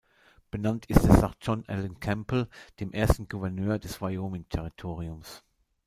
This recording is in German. Benannt ist es nach John Allen Campbell, dem ersten Gouverneur des Wyoming-Territoriums.